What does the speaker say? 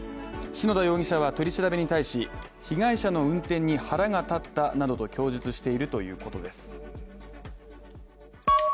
篠田容疑者は取り調べに対し、被害者の運転に腹が立ったなどと供述しているということです。